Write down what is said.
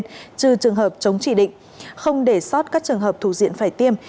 trừ trường hợp chống chỉ định không để sót các trường hợp thủ diện phải tiêm